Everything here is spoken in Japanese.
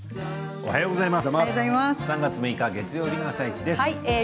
おはようございます。